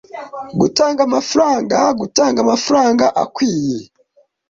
Gutanga amafaranga, gutanga amafaranga akwiye. "